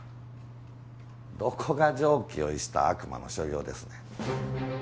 どこが常軌を逸した悪魔の所業ですねん。